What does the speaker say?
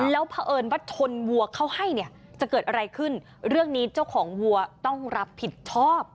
แล้วเผอิญว่าทนวัวเข้าให้เนี่ยจะเกิดอะไรขึ้นเรื่องนี้เจ้าของวัวต้องรับผิดชอบ